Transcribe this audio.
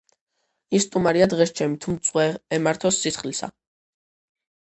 ის სტუმარია დღეს ჩემი თუმც ზღვა ემართოს სისხლისა